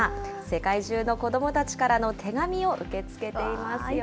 世界中の子どもたちからの手紙を受け付けていますよ。